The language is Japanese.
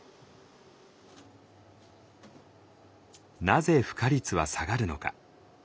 なぜ孵化率は下がるのか。